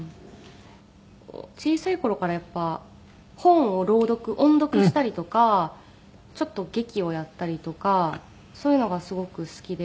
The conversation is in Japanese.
小さい頃からやっぱり本を朗読音読したりとかちょっと劇をやったりとかそういうのがすごく好きで。